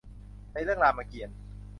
ในเรื่องรามเกียรติ์